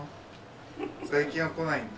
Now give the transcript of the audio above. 最近は来ないんだ。